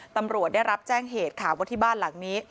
ตำรวจได้รับแจ้งเหตุค่ะว่าที่บ้านหลังนี้